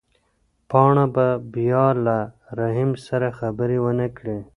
پاڼه به بیا له رحیم سره خبرې ونه کړي.